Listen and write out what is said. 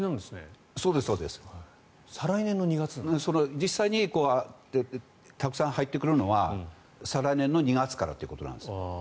実際にたくさん入ってくるのは再来年の２月からということです。